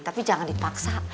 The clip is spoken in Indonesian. tapi jangan dipaksa